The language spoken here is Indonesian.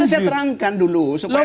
itu saya terangkan dulu